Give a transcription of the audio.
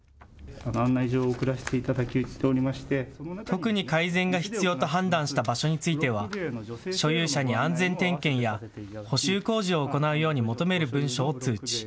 特に改善が必要と判断した場所については所有者に安全点検や補修工事を行うように求める文書を通知。